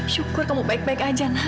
syukur kamu baik baik aja